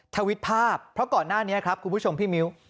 ทวิตภาพเพราะก่อนหน้านี้ครับคุณผู้ชมพี่มิ้ว